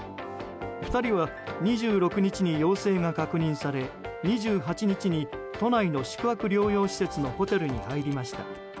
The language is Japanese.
２人は２６日に陽性が確認され２８日に都内の宿泊療養施設のホテルに入りました。